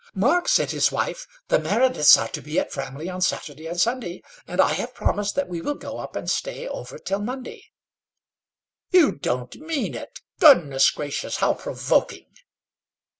"Mark," said his wife, "the Merediths are to be at Framley on Saturday and Sunday; and I have promised that we will go up and stay over till Monday." "You don't mean it! Goodness gracious, how provoking!"